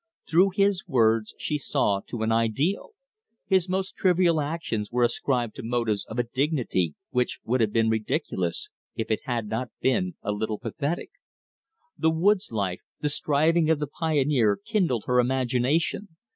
Through his words she saw to an ideal. His most trivial actions were ascribed to motives of a dignity which would have been ridiculous, if it had not been a little pathetic. The woods life, the striving of the pioneer kindled her imagination.